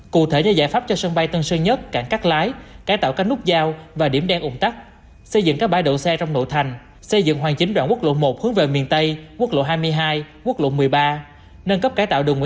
cụ thể là giải pháp cho sân bay tân sơ nhất cảng cắt lái cải tạo cánh nút giao và điểm đen ủng tắc